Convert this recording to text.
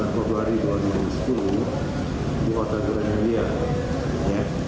yang pertama pada bulan februari dua ribu sepuluh di wadah juranya liat